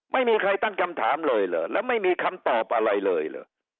ไม่มีใครตั้งคำถามเลยเหรอแล้วไม่มีคำตอบอะไรเลยเหรอ